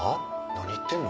何言ってんの？